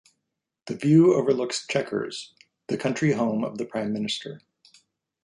The view overlooks Chequers, the country home of the Prime Minister.